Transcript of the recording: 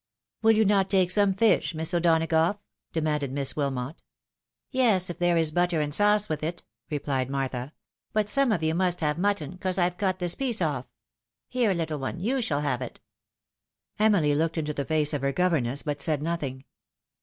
" Will you not take some fish, Miss O'Donagough ?" de manded Miss Wilmot. " Yes, if there is butter and sauce with it," replied Martha,; " but some of you must have mutton, 'cause I've cut this piece off. Here, little one, you shall have it." Emily looked into the face of her governess, but said nothing.